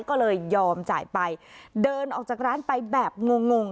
ก็เลยยอมจ่ายไปเดินออกจากร้านไปแบบงงง